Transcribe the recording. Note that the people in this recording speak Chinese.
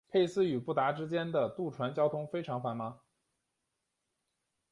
佩斯与布达之间的渡船交通非常繁忙。